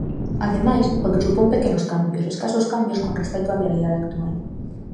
Ademais, porque supón pequenos cambios, escasos cambios con respecto á realidade actual.